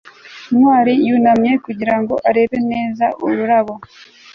ntwali yunamye kugira ngo arebe neza ururabo